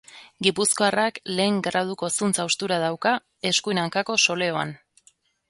Gipuzkoarrak lehen graduko zuntz-haustura dauka eskuin hankako soleoan.